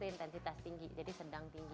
vigorous itu intensitas tinggi jadi sedang tinggi